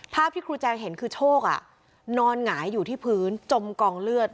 ภาพที่ครูแจงเห็นคือโชคนอนหงายอยู่ที่พื้นจมกองเลือด